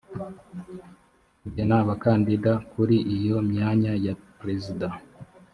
kugena abakandida kuri iyo myanya ya perezida